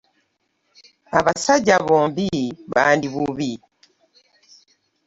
Abasajja bombi bandi bubi.